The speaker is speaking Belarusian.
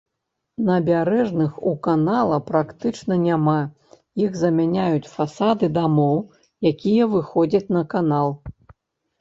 Набярэжных у канала практычна няма, іх замяняюць фасады дамоў, якія выходзяць на канал.